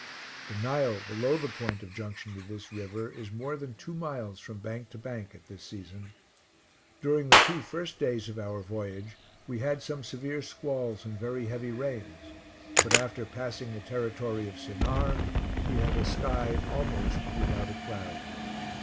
The Nile, below the point of junction with this river, is more than two miles from bank to bank, at this season. During the two first days of our voyage, we had some severe squalls and very heavy rains; but after passing the territory of Sennaar, we had a sky almost without a cloud.